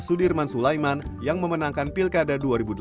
sudirman sulaiman yang memenangkan pilkada dua ribu delapan belas